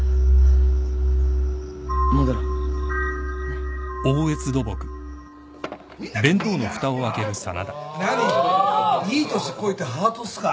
あっ何いい年こいてハートっすか？